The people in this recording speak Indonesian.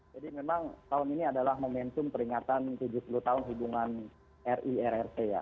jadi memang tahun ini adalah momentum peringatan tujuh puluh tahun hubungan rirrc ya